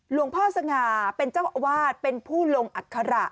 หลวงพ่อสง่าเป็นเจ้าอาวาสเป็นผู้ลงอัคระ